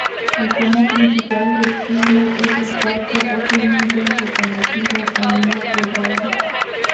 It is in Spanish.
El tema principal del single es el cuarto Opening del reconocido Anime Reborn!